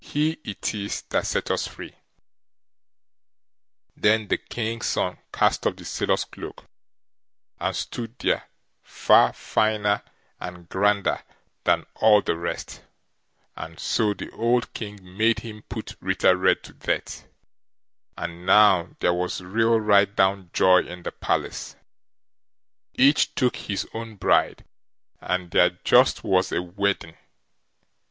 He it is that set us free." Then the King's son cast off the sailor's cloak, and stood there far finer and grander than all the rest; and so the old King made them put Ritter Red to death. And now there was real right down joy in the palace; each took his own bride, and there just was a wedding!